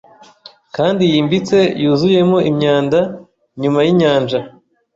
kandi yimbitse yuzuyemo imyanda nyuma yinyanja